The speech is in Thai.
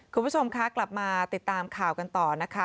คุณผู้ชมคะกลับมาติดตามข่าวกันต่อนะคะ